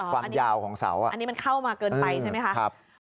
ความยาวของเสาอันนี้มันเข้ามาเกินไปใช่ไหมคะ